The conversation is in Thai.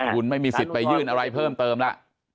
คุณไม่มีสิทธิ์ไปยื่นอะไรเพิ่มเติมแล้ว